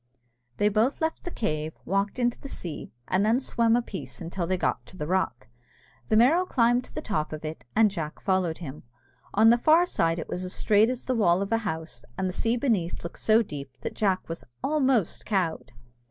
They both left the cave, walked into the sea, and then swam a piece until they got to the rock. The Merrow climbed to the top of it, and Jack followed him. On the far side it was as straight as the wall of a house, and the sea beneath looked so deep that Jack was almost cowed.